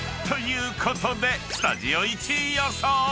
［ということでスタジオ１位予想］